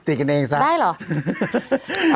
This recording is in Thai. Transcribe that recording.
ติดกันเองซะได้เหรอ